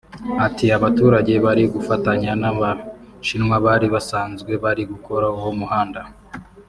Ati “Abaturage bari gufatanya n’Abashinwa bari basanzwe bari gukora uwo muhanda